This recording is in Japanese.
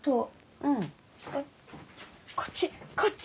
うん。こっちこっち！